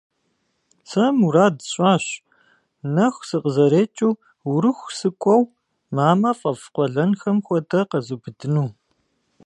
Сэ мурад сщӀащ, нэху сыкъызэрекӀыу Урыху сыкӀуэу, мамэ фӀэфӀ къуэлэнхэм хуэдэ къэзубыдыну.